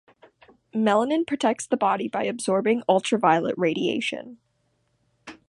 Melanin protects the body by absorbing ultraviolet radiation.